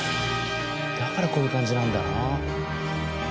だからこういう感じなんだな。